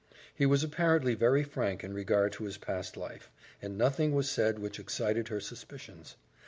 He was apparently very frank in regard to his past life, and nothing was said which excited her suspicions.